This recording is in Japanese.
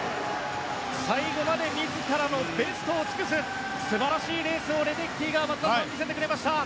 最後まで自らのベストを尽くす素晴らしいレースをレデッキーが松田さん、見せてくれました。